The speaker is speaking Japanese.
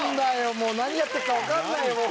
もう何やってっか分かんないよ。